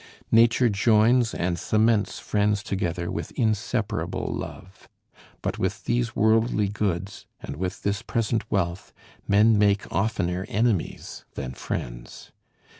Nature joins and cements friends together with inseparable love. But with these worldly goods, and with this present wealth, men make oftener enemies than friends.